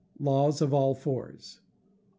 Laws of All Fours. i.